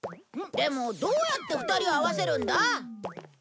でもどうやって２人を会わせるんだ？